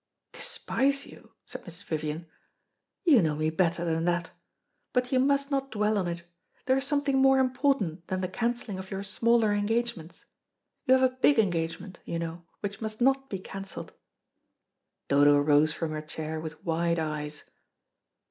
"Despise you!" said Mrs. Vivian. "You know me better than that. But you must not dwell on it. There is something more important than the cancelling of your smaller engagements. You have a big engagement, you know, which must not be cancelled." Dodo rose from her chair with wide eyes.